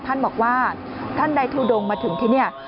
ท่านบอกว่าท่านใดทุดงมาถึงที่นี่